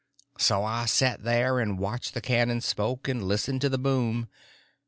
So I set there and watched the cannon smoke and listened to the boom.